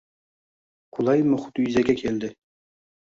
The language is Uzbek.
qulay muhit yuzaga keldi.